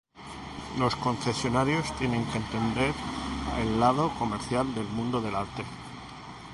Los concesionarios tienen que entender el lado comercial del mundo del arte.